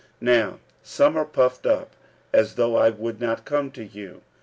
46:004:018 Now some are puffed up, as though I would not come to you.